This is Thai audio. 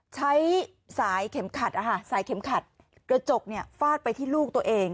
ใช้สายเข็มขัดสายเข็มขัดกระจกฟาดไปที่ลูกตัวเอง